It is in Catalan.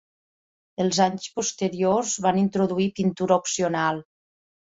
Els anys posterior van introduir pintura opcional.